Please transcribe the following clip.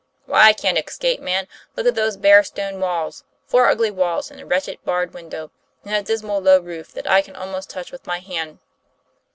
"Why, I can't escape, man. Look at these bare stone walls four ugly walls and a wretched, barred window; and that dismal low roof that I can almost touch with my hand."